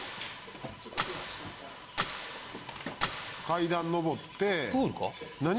階段上って何！？